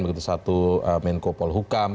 begitu satu menko polhukam